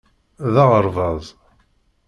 D aɣerbaz.